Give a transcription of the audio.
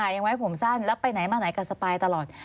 ยังไว้ผมสั้นแล้วไปไหนมาไหนกับสปายตลอด